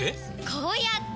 こうやって！